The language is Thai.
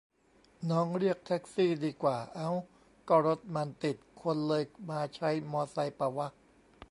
น้องเรียกแท็กซี่ดีกว่า เอ๊า ก็รถมันติดคนเลยมาใช้มอไซค์ปะวะ